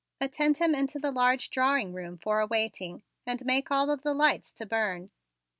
"Attend him into the large drawing room for a waiting and make all of the lights to burn.